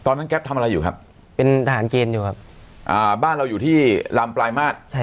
แก๊ปทำอะไรอยู่ครับเป็นทหารเกณฑ์อยู่ครับบ้านเราอยู่ที่ลำปลายมาตร